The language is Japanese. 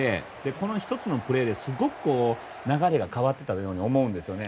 この１つのプレーですごく流れが変わったように思うんですよね。